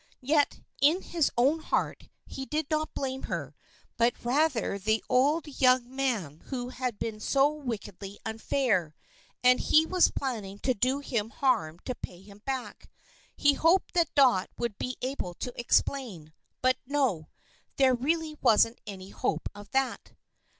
Yet, in his own heart, he did not blame her, but rather the old young man who had been so wickedly unfair, and he was planning to do him harm to pay him back. He hoped that Dot would be able to explain; but no there really wasn't any hope of that.